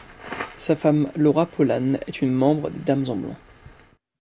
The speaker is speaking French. Sa femme Laura Pollán est une membre des Dames en blanc.